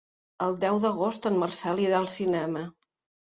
El deu d'agost en Marcel irà al cinema.